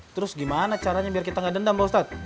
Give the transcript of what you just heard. terus gimana caranya biar kita nggak dendam pak ustadz